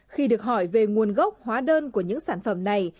khi được hỏi về nguồn gốc hóa đơn của những sản phẩm này